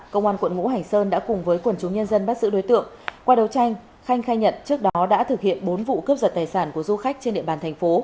công an quận mũ hành sơn thành phố đà nẵng đang tạm giữ đối tượng trần văn khanh một mươi chín tuổi chú tại huyện quảng nam